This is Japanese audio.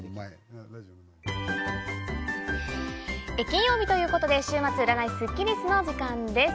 金曜日ということで、週末占いスッキりすの時間です。